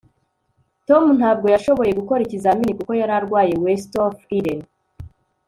Tom ntabwo yashoboye gukora ikizamini kuko yari arwaye WestofEden